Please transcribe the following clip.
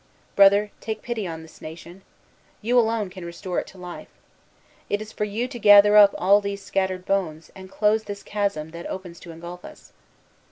"Brother, take pity on this nation. You alone can restore it to life. It is for you to gather up all these scattered bones, and close this chasm that opens to ingulf us.